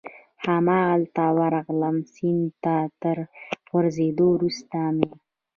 همالته ورغلم، سیند ته تر غورځېدو وروسته مې.